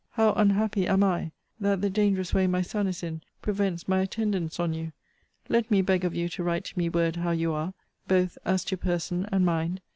How unhappy am I, that the dangerous way my son is in prevents my attendance on you! Let me beg of you to write to me word how you are, both as to person and mind.